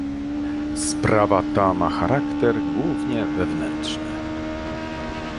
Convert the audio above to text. Sprawa ta ma charakter głównie wewnętrzny